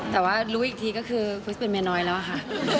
แต่ว่ารู้อีกทีก็คือคริสเป็นเมียน้อยแล้วค่ะ